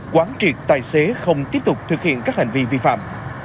quán triệt tài xế không tiếp tục thực hiện các hành vi vi phạm